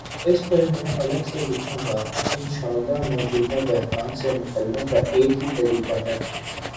اس پرمیں الگ سے لکھوں گا، انشا اللہ مو جودہ بحران سے نکلنے کا ایک ہی طریقہ ہے۔